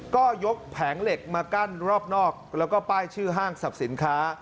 ก็ยกแผงเหล็กมากั้นรอบนอกแล้วก็ป้ายชื่อห้างสรรพสินค้า